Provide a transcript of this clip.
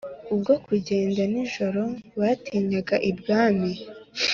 ubwo kugenda nijoro batinyaga ibwami.